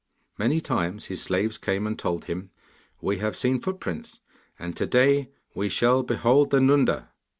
Many times his slaves came and told him, 'We have seen footprints, and to day we shall behold the Nunda.